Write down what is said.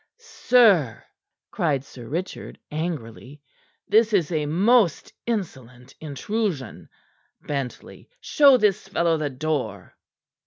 "Sir," cried Sir Richard angrily. "This is a most insolent intrusion. Bentley, show this fellow the door."